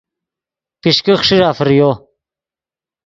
پیشکے خیݰیرہ فریو